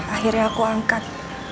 akhirnya aku angkat